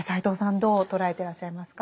どう捉えてらっしゃいますか？